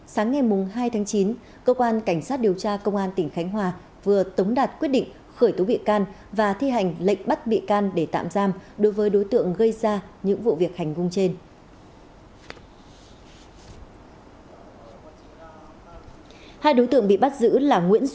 sáng ngày hai tháng chín cơ quan cảnh sát điều tra công an tỉnh khánh hòa vừa tống đạt quyết định khởi tố bị can và thi hành lệnh bắt bị can để tạm giam đối với đối tượng gây ra những vụ việc hành hung trên